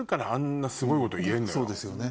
そうですよね。